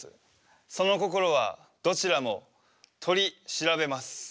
その心はどちらもとりしらべます。